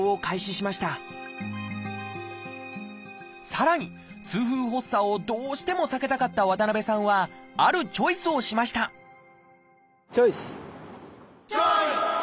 さらに痛風発作をどうしても避けたかった渡さんはあるチョイスをしましたチョイス！